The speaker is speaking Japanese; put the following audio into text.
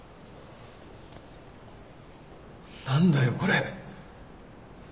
何だよこれ。